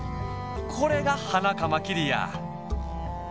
これがハナカマキリや。